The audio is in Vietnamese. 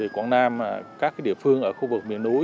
quảng nam các địa phương ở khu vực miền núi